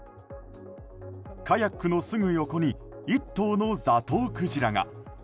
カヤックのすぐ横に１頭のザトウクジラが。